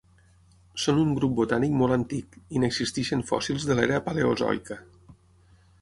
Són un grup botànic molt antic, i n'existeixen fòssils de l'era paleozoica.